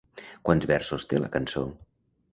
Quants versos té la cançó?